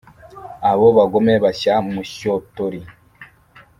abo bagome bashya mushyotori